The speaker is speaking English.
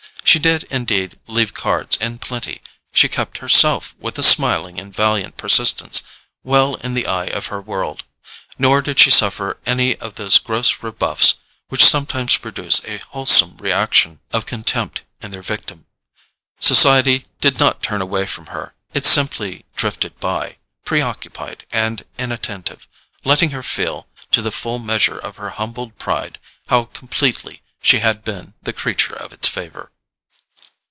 She did indeed leave cards in plenty; she kept herself, with a smiling and valiant persistence, well in the eye of her world; nor did she suffer any of those gross rebuffs which sometimes produce a wholesome reaction of contempt in their victim. Society did not turn away from her, it simply drifted by, preoccupied and inattentive, letting her feel, to the full measure of her humbled pride, how completely she had been the creature of its favour.